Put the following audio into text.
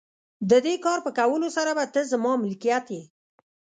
د دې کار په کولو سره به ته زما ملکیت یې.